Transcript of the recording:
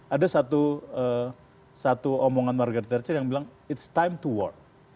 ada satu satu omongan margaret thatcher yang bilang it's time to war